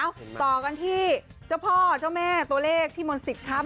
เอ้าต่อกันที่เจ้าพ่อเจ้าแม่ตัวเลขที่มนตร์สิทธิครั้มซอย